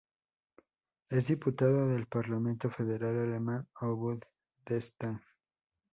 Es diputado del Parlamento Federal alemán, o Bundestag.